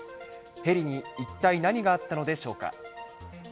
ヘリに一体何があったのでしょうか。